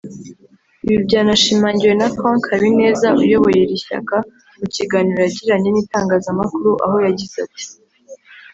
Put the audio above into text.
Ibi byanashimangiwe na Frank Habineza uyoboye iri shyaka mu kiganiro yagiranye n’itangazamakuru aho yagize ati